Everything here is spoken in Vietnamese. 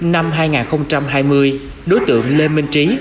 năm hai nghìn hai mươi đối tượng lê minh trí